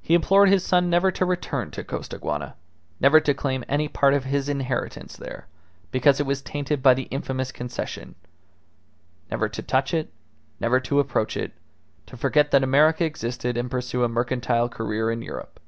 He implored his son never to return to Costaguana, never to claim any part of his inheritance there, because it was tainted by the infamous Concession; never to touch it, never to approach it, to forget that America existed, and pursue a mercantile career in Europe.